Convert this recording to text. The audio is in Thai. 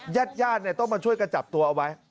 ญาติเนี่ยต้องมาช่วยกระจับตัวเอาไว้